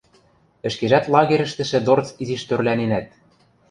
– Ӹшкежӓт лагерьӹштӹшӹ дорц изиш тӧрлӓненӓт...